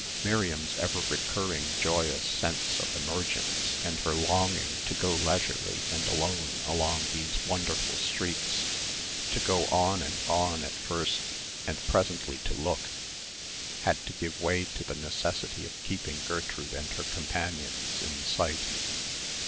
Miriam's ever recurring joyous sense of emergence and her longing to go leisurely and alone along these wonderful streets, to go on and on at first and presently to look, had to give way to the necessity of keeping Gertrude and her companions in sight.